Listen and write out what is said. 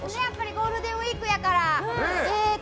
ゴールデンウィークやから。